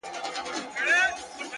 خدایه هغه مه اخلې زما تر جنازې پوري،